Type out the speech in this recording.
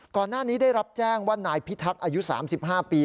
ก่อนหน้านี้ได้รับแจ้งว่านายพิทักษ์อายุ๓๕ปี